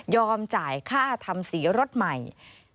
จ่ายค่าทำสีรถใหม่